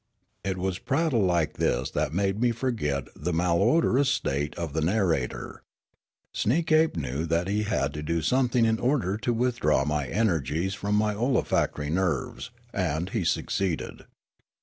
It was prattle like this that made me forget the mal odorous state of the narrator. Sneekape knew that he had to do something in order to withdraw my energies from my olfactory nerves ; and he succeeded.